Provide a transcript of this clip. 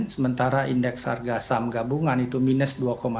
sementara indeks harga saham gabungan itu minus dua lima